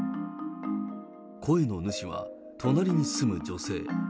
声の主は、隣に住む女性。